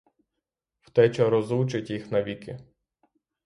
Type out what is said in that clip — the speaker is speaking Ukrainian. Втеча розлучить їх навіки.